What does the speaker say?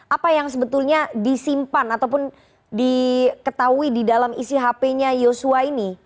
apa yang sebetulnya disimpan ataupun diketahui di dalam isi hp nya yosua ini